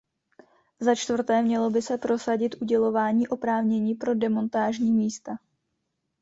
Začtvrté, mělo by se prosadit udělování oprávnění pro demontážní místa.